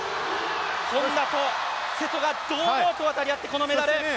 本多と瀬戸が堂々と渡り合ってこのメダル。